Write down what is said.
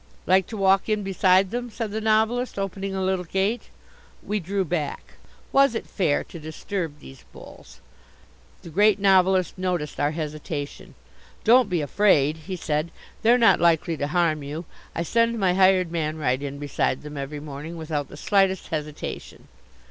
"Like to walk in beside them?" said the Novelist, opening a little gate. We drew back. Was it fair to disturb these bulls? The Great Novelist noticed our hesitation. "Don't be afraid," he said. "They're not likely to harm you. I send my hired man right in beside them every morning, without the slightest hesitation."